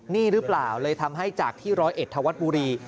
นี่หรือเปล่าเลยทำให้จากที่๑๐๑ทวทบุรี